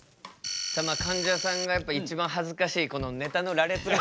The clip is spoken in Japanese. かんじゃさんがやっぱ一番恥ずかしいこのネタの羅列が。